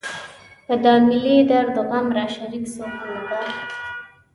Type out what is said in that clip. په دا ملي درد و غم راشریک څوک نه ده.